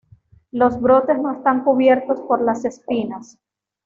Los brotes no están cubiertos por las espinas.